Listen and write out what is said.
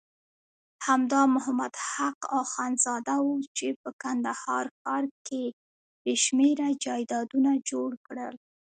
همدا محمد حق اخندزاده وو چې په کندهار ښار کې بېشمېره جایدادونه جوړ کړل.